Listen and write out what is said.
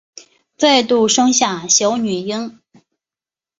再度生下小女婴